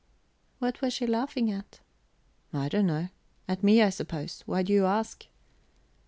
"What was she laughing at?" "I don't know. At me, I suppose. Why do you ask?"